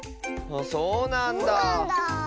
そうなんだ。